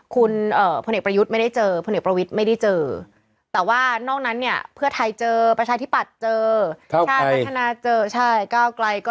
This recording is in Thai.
คุณชุวิตเจอคนแรก